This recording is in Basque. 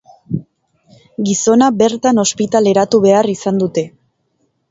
Gizona bertan ospitaleratu behar izan dute.